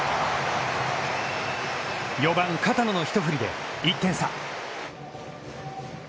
４番片野の一振りで１点差。